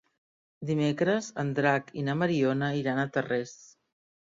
Dimecres en Drac i na Mariona iran a Tarrés.